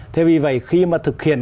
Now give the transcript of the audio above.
thế vì vậy khi mà thực hiện